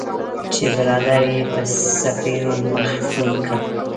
چې برادر یې په څپیړو مخ سور کړ.